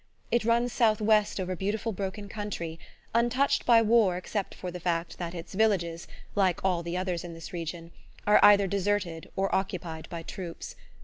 It runs southwest over beautiful broken country, untouched by war except for the fact that its villages, like all the others in this region, are either deserted or occupied by troops.